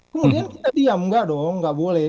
kemudian kita diam enggak dong nggak boleh